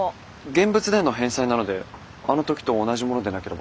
現物での返済なのであの時と同じものでなければ。